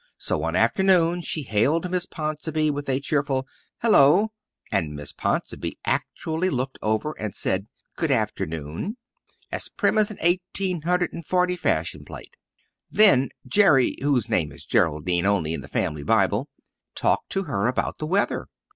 So one afternoon she hailed Miss Ponsonby with a cheerful "hello," and Miss Ponsonby actually looked over and said "good afternoon," as prim as an eighteen hundred and forty fashion plate. Then Jerry, whose name is Geraldine only in the family Bible, talked to her about the weather.